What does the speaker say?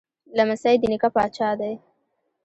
لمسی د نیکه پاچا دی.